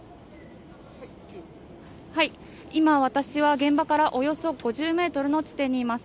今、私は現場からおよそ５０メートルの地点にいます。